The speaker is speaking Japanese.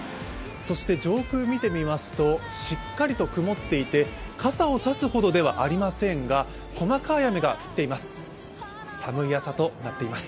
そして上空見てみますとしっかり曇っていて傘を差すほどではありませんが細かい雨が降っています。